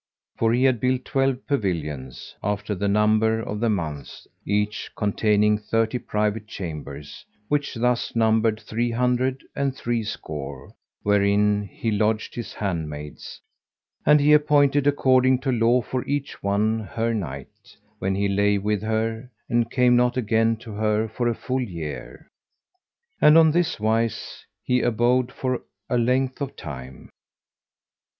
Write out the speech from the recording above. For he had built twelve pavilions, after the number of the months, each containing thirty private chambers, which thus numbered three hundred and three score, wherein he lodged his handmaids: and he appointed according to law for each one her night, when he lay with her and came not again to her for a full year;[FN#144] and on this wise he abode for a length of time.